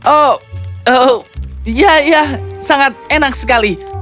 oh oh ya ya sangat enak sekali